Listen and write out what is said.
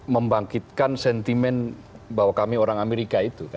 membangkitkan sentimen bahwa kami orang amerika itu